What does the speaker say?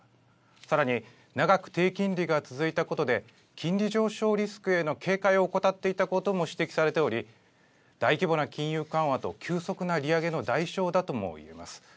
さらに、長く低金利が続いたことで、金利上昇リスクへの警戒を怠っていたことも指摘されており、大規模な金融緩和と急速な利上げの代償だともいえます。